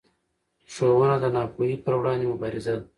ښوونه د ناپوهۍ پر وړاندې مبارزه ده